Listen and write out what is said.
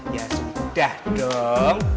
ya sudah dong